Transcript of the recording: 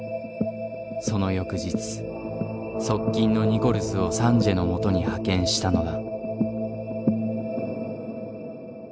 その翌日側近のニコルズをサンジエのもとに派遣したのだ。